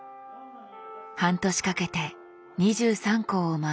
半年かけて２３校を回ります。